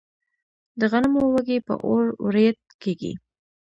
د غنمو وږي په اور وریت کیږي.